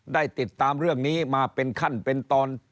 ติดตามเรื่องนี้มาเป็นขั้นเป็นตอน